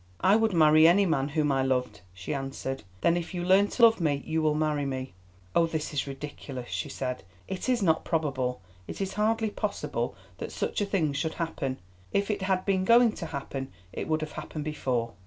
"I would marry any man whom I loved," she answered. "Then if you learn to love me you will marry me?" "Oh, this is ridiculous," she said. "It is not probable, it is hardly possible, that such a thing should happen. If it had been going to happen it would have happened before."